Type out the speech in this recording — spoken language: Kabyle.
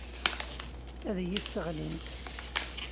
Ad iyi-sseɣlint.